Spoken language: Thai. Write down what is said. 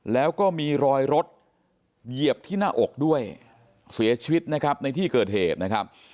แล้วก็มีรอยรถเหยียบที่หน้าอกด้วยเสียชีวิตนะครับในที่เกิดเหตุนะครับ